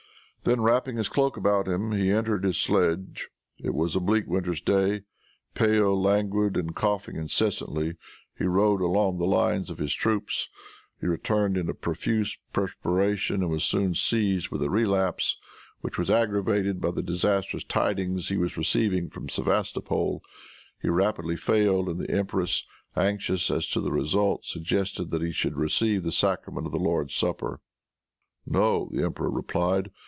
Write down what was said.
Then wrapping his cloak about him, he entered his sledge. It was a bleak winter's day. Pale, languid and coughing incessantly, he rode along the lines of his troops. He returned in a profuse perspiration, and was soon seized with a relapse, which was aggravated by the disastrous tidings he was receiving from Sevastopol. He rapidly failed, and the empress, anxious as to the result, suggested that he should receive the sacrament of the Lord's Supper. "No!" the emperor replied.